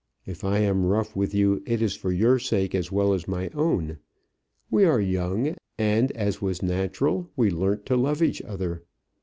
If I am rough with you, it is for your sake as well as my own. We are young, and, as was natural, we learnt to love each other.